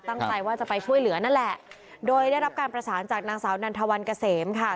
ตั้งใจว่าจะไปช่วยเหลือนั่นแหละโดยได้รับการประสานจากนางสาวนันทวันเกษมค่ะ